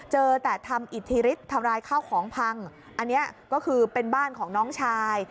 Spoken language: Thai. เจอแต่ทำอิทธิฤทธิ์ทำร้ายข้าวของพังอันนี้ก็คือเป็นบ้านของน้องชาย